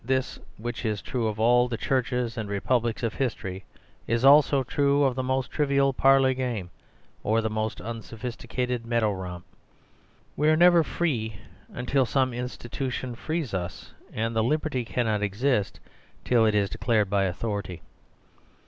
This, which is true of all the churches and republics of history, is also true of the most trivial parlour game or the most unsophisticated meadow romp. We are never free until some institution frees us; and liberty cannot exist till it is declared by authority.